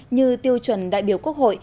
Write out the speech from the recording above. như tiêu chuẩn đại biểu quốc hội